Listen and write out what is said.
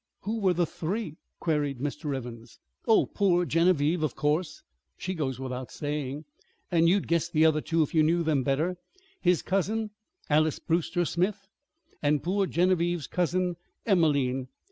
"Who were the three?" queried Mr. Evans. "Oh, poor Genevieve, of course; she goes without saying. And you'd guess the other two if you knew them better his cousin, Alys Brewster Smith, and poor Genevieve's Cousin Emelene.